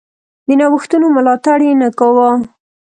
د نوښتونو ملاتړ یې نه کاوه.